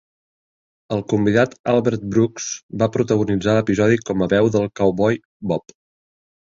El convidat Albert Brooks va protagonitzar l'episodi com a veu del cowboy Bob.